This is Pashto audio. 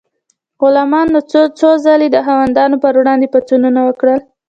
غلامانو څو ځلې د خاوندانو پر وړاندې پاڅونونه وکړل.